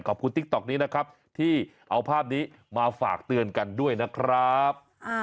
ติ๊กต๊อกนี้นะครับที่เอาภาพนี้มาฝากเตือนกันด้วยนะครับ